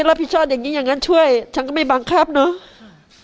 รับผิดชอบอย่างงี้อย่างงั้นช่วยฉันก็ไม่บังคับเนาะ